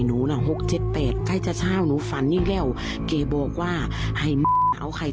เมื่อกี้วันมีคุณมาตาย